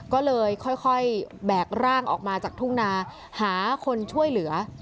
ก็เลยค่อยแบกร่างออกมาจากทุ่งนาหาคนช่วยเหลือ